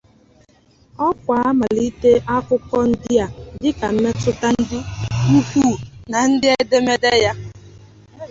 Ọ kowaa malite akụkọ ndị a dịka mmetụta dị ukwuu na ụdị edemede ya.